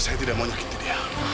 saya tidak mau nyakit dia